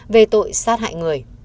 về tội sát hại người